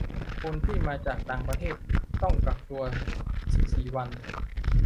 คนที่มาจากต่างประเทศต้องกักตัวสิบสี่วัน